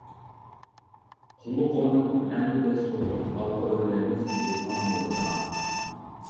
قۇللۇق ئورنىدىن ئەمدى دەس تۇردۇق، ئالغا ئۆرلەيمىز ئېرپان نۇرىدا.